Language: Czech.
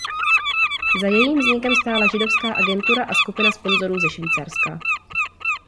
Za jejím vznikem stála Židovská agentura a skupina sponzorů ze Švýcarska.